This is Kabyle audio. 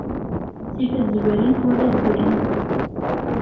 Ttif ad zwirent, wala ad grint.